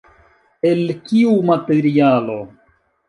El kiu materialo?